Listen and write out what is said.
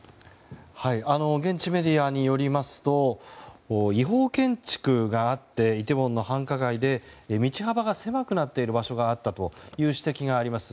現地メディアによりますと違法建築があってイテウォンの繁華街で道幅が狭くなっている場所があったという指摘があります。